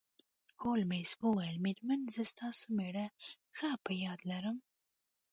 هولمز وویل میرمن زه ستاسو میړه ښه په یاد لرم